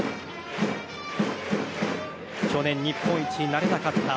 去年、日本一になれなかった。